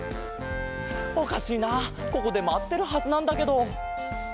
おかしいなここでまってるはずなんだけど。